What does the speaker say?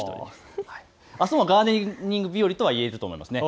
あすもガーデニング日和と言えると思います。